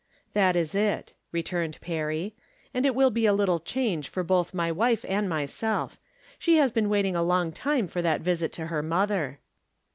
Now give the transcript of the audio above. " That is it," returned Perry. " And it will be a little change for both my wife and myself. She has been waiting a long time for that visit to her mother."